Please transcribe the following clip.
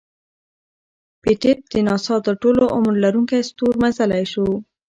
پېټټ د ناسا تر ټولو عمر لرونکی ستور مزلی شو.